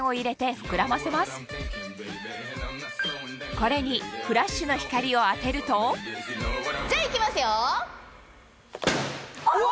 これにフラッシュの光を当てるとじゃあいきますよ！